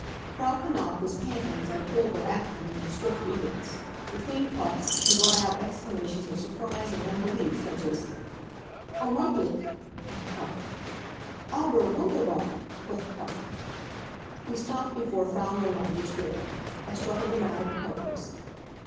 Frau Knapf was panting as I pulled her after me in swift eagerness. Between puffs she brought out exclamations of surprise and unbelief such as: "Unmoglich! (Puff! Puff!) Aber wunderbar! (Puff! Puff!)" We stopped before Frau Nirlanger's door. I struck a dramatic pose.